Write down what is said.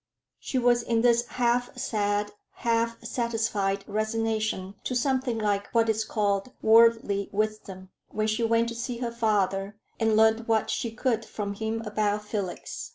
She was in this half sad, half satisfied resignation to something like what is called worldly wisdom, when she went to see her father, and learn what she could from him about Felix.